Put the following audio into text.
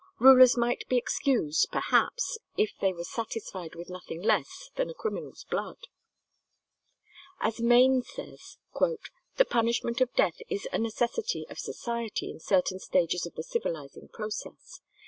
Rulers might be excused, perhaps, if they were satisfied with nothing less than a criminal's blood. As Maine says, "The punishment of death is a necessity of society in certain stages of the civilizing process.